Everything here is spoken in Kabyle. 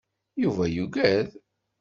Yuba yugad.